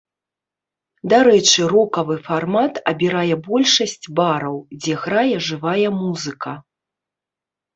Дарэчы рокавы фармат абірае большасць бараў, дзе грае жывая музыка.